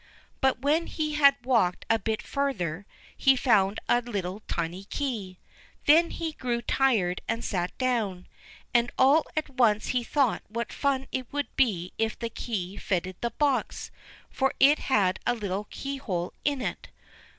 But when he had walked a bit farther, he found a little tiny key. Then he grew tired and sat down, and all at once he thought what fun it would be if the key fitted the box, for it had a little keyhole in it.